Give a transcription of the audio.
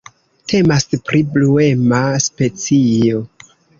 Temas pri bruema specio.